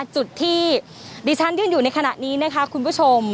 จุดที่ดิฉันยืนอยู่ในขณะนี้นะคะคุณผู้ชม